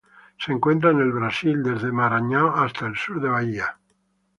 Se encuentra en el Brasil: desde Maranhão hasta el sur de Bahía.